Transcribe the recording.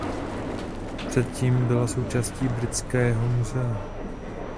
Předtím byla součástí Britského muzea.